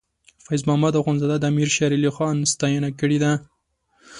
فیض محمد اخونزاده د امیر شیر علی خان ستاینه کړې ده.